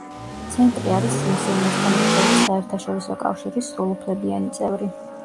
ცენტრი არის სიმსივნესთან ბრძოლის საერთაშორისო კავშირის სრულუფლებიანი წევრი.